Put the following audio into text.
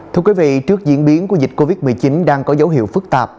thưa quý vị trước diễn biến của dịch covid một mươi chín đang có dấu hiệu phức tạp